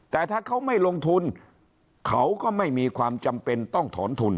แต่ถ้าเขาไม่ลงทุนเขาก็ไม่มีความจำเป็นต้องถอนทุน